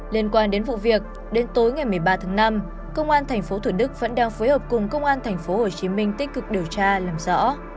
liên quan đến vụ việc đến tối ngày một mươi ba tháng năm công an tp thủ đức vẫn đang phối hợp cùng công an tp hcm tích cực điều tra làm rõ